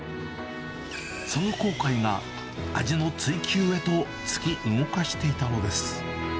その後悔が味の追求へと突き動かしていたのです。